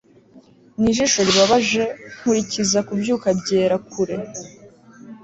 Nijisho ribabaje Nkurikiza kubyuka byera kure